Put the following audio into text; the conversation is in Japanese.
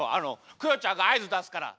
クヨちゃんがあいずだすから。